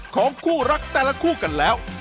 ของคู่รักแต่ละคู่กันแล้ว